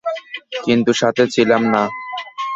কিন্তু সাথে ছিলাম না।